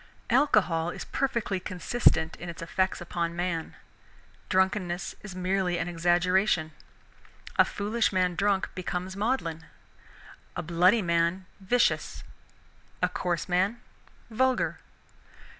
Alcohol is perfectly consistent in its effects upon man. Drunkenness is merely an exaggeration. A foolish man drunk becomes maudlin; a bloody man, vicious; a coarse man, vulgar.